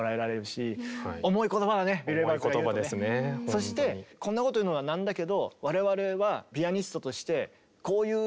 そしてこんなこと言うのはなんだけど我々はえ！